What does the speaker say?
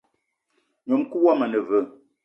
Ngnom-kou woma ane veu?